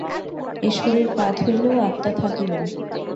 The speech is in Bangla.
এই শরীর-পাত হইলেও আত্মা থাকিবেন।